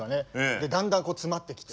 でだんだん詰まってきて。